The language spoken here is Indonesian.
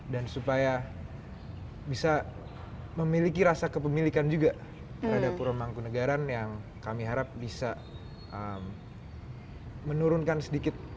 dan supaya bisa memiliki rasa kepemilikan juga terhadap puro mangkunagaran yang kami harap bisa menurunkan sedikit